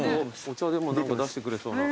お茶でも何か出してくれそうな。